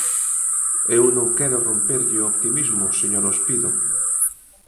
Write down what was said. Eu non quero romperlle o optimismo, señor Ospido.